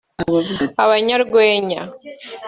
abanyarwenya